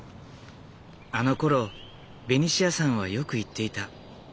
あのころベニシアさんはよく言っていた。